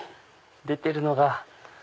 出てるのが。